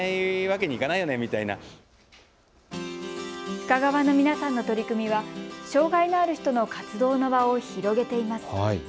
深川の皆さんの取り組みは、障害のある人の活動の場を広げています。